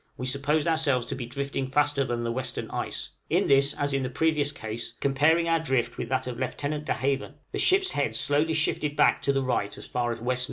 we supposed ourselves to be drifting faster than the western ice; in this, as in the previous case, comparing our drift with that of Lieutenant De Haven, the ship's head slowly shifted back to the right as far as W.N.